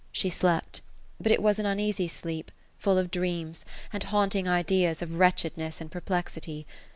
She slept; but it was an unea sy sleep, full of dreams, and haunting ideas of wretchedness and per plexity.